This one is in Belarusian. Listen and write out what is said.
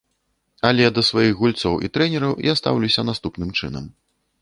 Але да сваіх гульцоў і трэнераў я стаўлюся наступным чынам.